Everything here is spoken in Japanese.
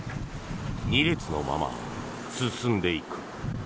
２列のまま進んでいく。